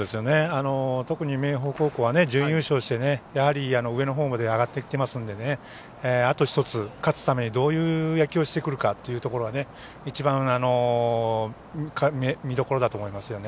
特に明豊高校は準優勝してやはり、上のほうまで上がってきてますのであと１つ勝つためにどういう野球をしてくるかというところが一番、見どころだと思いますよね。